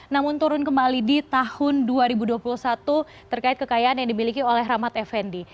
namun turun kembali di tahun dua ribu dua puluh satu terkait kekayaan yang dimiliki oleh rahmat effendi